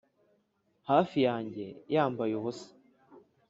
hafi yanjye yambaye ubusa,